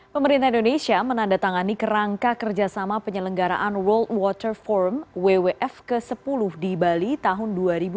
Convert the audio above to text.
pemerintah indonesia menandatangani kerangka kerjasama penyelenggaraan world water forum wwf ke sepuluh di bali tahun dua ribu dua puluh